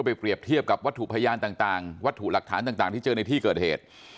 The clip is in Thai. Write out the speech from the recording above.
เปรียบเทียบกับวัตถุพยานต่างวัตถุหลักฐานต่างที่เจอในที่เกิดเหตุ